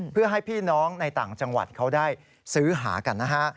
เพื่อให้พี่น้องในต่างจังหวัดเขาได้ซื้อหากันนะฮะ